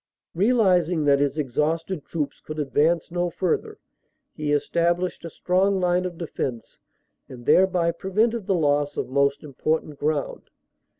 Realising that his exhausted troops could advance no further he established a strong line of defense and thereby prevented the loss of most important ground.